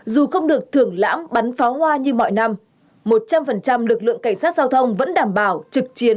dù không được thưởng lãm bắn pháo hoa như mọi năm một trăm linh lực lượng cảnh sát giao thông vẫn đảm bảo trực chiến